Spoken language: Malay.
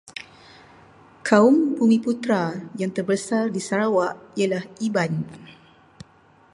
Kaum Bumiputera yang terbesar di Sarawak ialah Iban.